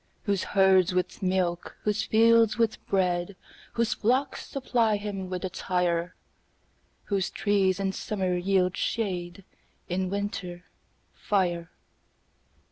Whose herds with milk, whose fields with bread, Whose flocks supply him with attire; Whose trees in summer yield shade, In winter, fire.